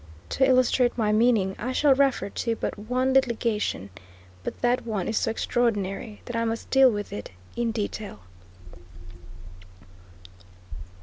To illustrate my meaning I shall refer to but one litigation, but that one is so extraordinary that I must deal with it in detail.